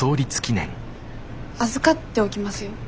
預かっておきますよ。